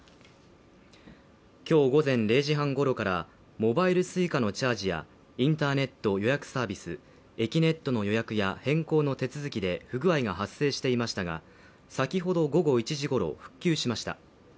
今日午前０時半ごろからモバイルＳｕｉｃａのチャージやインターネット予約サービス、えきねっとの予約や変更の手続きで不具合が発生していましたが、先ほど午後１時ごろ、復旧しました。